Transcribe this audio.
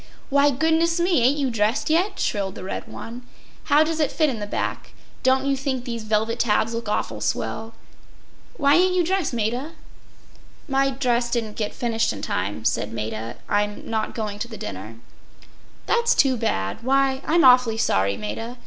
“Why, goodness me! ain’t you dressed yet?” shrilled the red one. “How does it fit in the back? Don’t you think these velvet tabs look awful swell? Why ain’t you dressed, Maida?” “My dress didn’t get finished in time,” said Maida. “I’m not going to the dinner.” “That’s too bad. Why, I’m awfully sorry, Maida.